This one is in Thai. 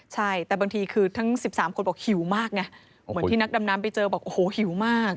ใช่แต่บางทีคือทั้ง๑๓คนบอกหิวมากไงเหมือนที่นักดำน้ำไปเจอบอกโอ้โหหิวมาก